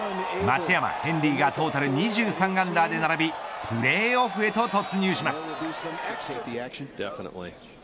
松山、ヘンリーがトータル２３アンダーで並びプレーオフへと突入します。